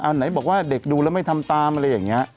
ไหนบอกว่าเด็กดูแล้วไม่ทำตามอะไรอย่างนี้